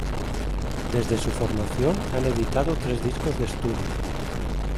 Desde su formación han editado tres discos de estudio.